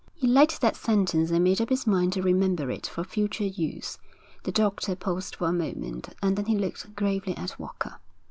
He liked that sentence and made up his mind to remember it for future use. The doctor paused for a moment, and then he looked gravely at Walker.